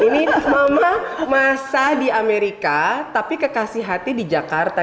ini mama masa di amerika tapi kekasih hati di jakarta